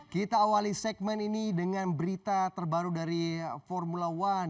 kita awali segmen ini dengan berita terbaru dari formula one